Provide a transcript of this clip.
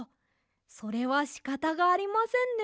それはしかたがありませんね。